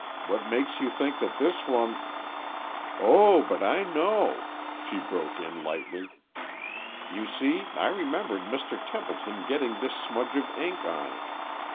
What makes you think that this one..." "Oh, but I know," she broke in lightly. "You see I remembered Mr. Templeton getting this smudge of ink on it.